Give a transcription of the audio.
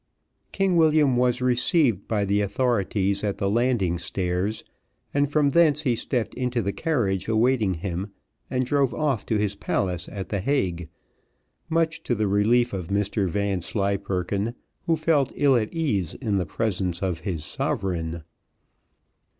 King William was received by the authorities at the landing stairs, and from thence he stepped into the carriage, awaiting him, and drove off to his palace at the Hague; much to the relief of Mr Vanslyperken, who felt ill at ease in the presence of his sovereign.